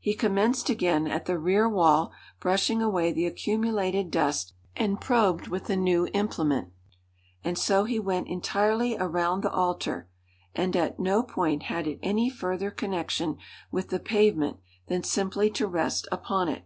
He commenced again at the rear wall, brushing away the accumulated dust, and probed with the new implement. And so he went entirely around the altar; and at no point had it any further connection with the pavement than simply to rest upon it.